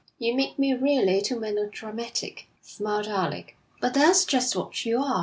'You make me really too melodramatic,' smiled Alec. 'But that's just what you are.